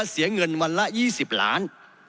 เสียเงินวันละ๒๐ล้าน